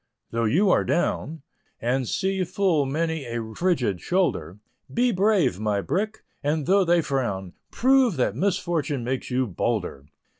Though you are "down," And see full many a frigid shoulder, Be brave, my brick, and though they frown, Prove that misfortune makes you bolder.